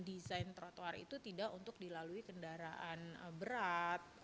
desain trotoar itu tidak untuk dilalui kendaraan berat